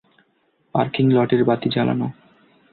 Parking লটের বাতি জ্বালানো!